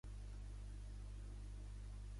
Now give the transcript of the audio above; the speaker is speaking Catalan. El jugador o jugadors amb més punts rep el premi.